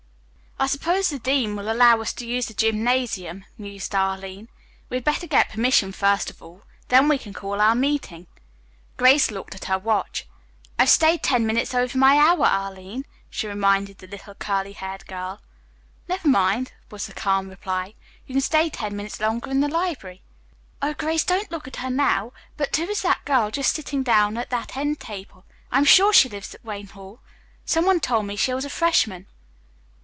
"I suppose the dean will allow us to use the gymnasium," mused Arline. "We had better get permission first of all. Then we can call our meeting." Grace looked at her watch. "I've stayed ten minutes over my hour, Arline," she reminded the little curly haired girl. "Never mind," was the calm reply, "you can stay ten minutes longer in the library. Oh, Grace, don't look at her now, but who is that girl just sitting down at that end table? I am sure she lives at Wayne Hall. Some one told me she was a freshman."